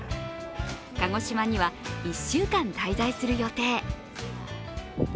鹿児島には１週間滞在する予定。